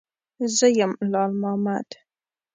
_زه يم، لال مامد.